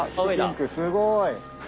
すごい。